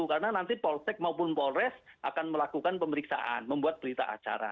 karena nanti polsek maupun polres akan melakukan pemeriksaan membuat berita acara